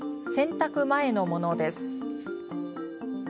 洗濯前のものです。